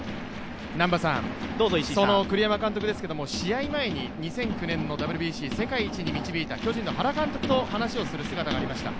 その栗山監督ですけど、試合前に２００９年のＷＢＣを世界一に導いた巨人の原監督と話をする姿がありました。